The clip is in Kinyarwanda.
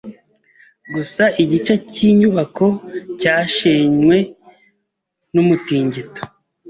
Gusa igice cyinyubako cyashenywe numutingito.